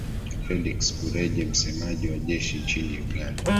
felix kureje msemaji wa jeshi nchini uganda